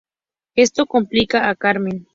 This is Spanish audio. Esto complica a Carmen.